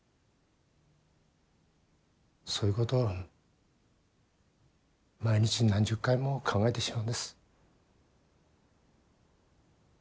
そういうことを毎日何十回も考えてしまうんです。